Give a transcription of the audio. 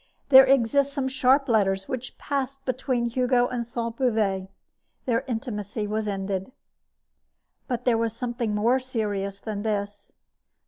There exist some sharp letters which passed between Hugo and Sainte Beuve. Their intimacy was ended. But there was something more serious than this.